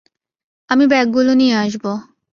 আমি ব্যাগগুলো নিয়ে আসব।